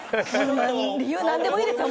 理由なんでもいいですよ。